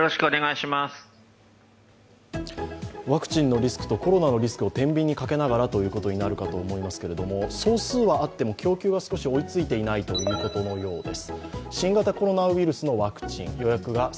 ワクチンのリスクとコロナのリスクをてんびんにかけながらということだと思いますが、総数はあっても供給が少し追いついていないということです。